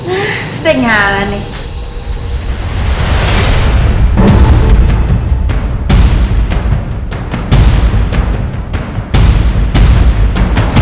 udah nyala nih